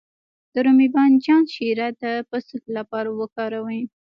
د رومي بانجان شیره د پوستکي لپاره وکاروئ